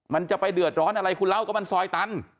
มันจะไปเดือดร้อนอะไรคุณเล่าก็มันซอยตัน